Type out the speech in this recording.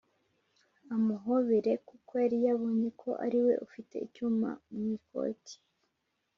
amuhobere (kuko yali yabonye ko aliwe ufite igicuma mwikoti)